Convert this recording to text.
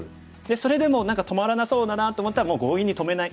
それでも何か止まらなそうだなと思ったらもう強引に止めない。